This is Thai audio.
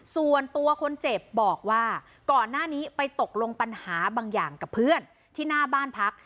ส่วนตัวคนเจ็บบอกว่าก่อนหน้านี้ไปตกลงปัญหาบางอย่างกับเพื่อนที่หน้าบ้านพัก